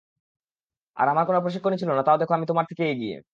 আর আমার কোন প্রশিক্ষণই ছিল না, তাও দেখো আমি তোমার থেকে এগিয়ে।